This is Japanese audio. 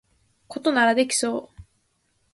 これならできそう